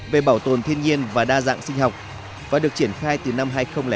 về bảo tồn thiên nhiên và đa dạng sinh học và được triển khai từ năm hai nghìn năm